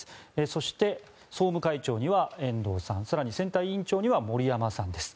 そして、総務会長には遠藤さん更に選対委員長には森山さんです。